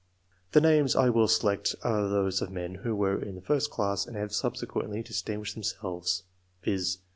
The names I will select are those of men who were in the first class and have subsequently distinguished themselves, viz.